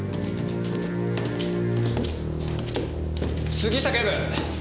杉下警部！